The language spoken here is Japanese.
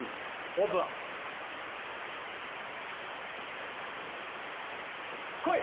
オープンこい！